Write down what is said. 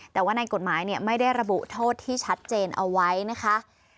แต่ว่าในกฎหมายไม่ได้ระบุโทษที่ชัดเจนเอาไว้นะคะ